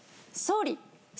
総理！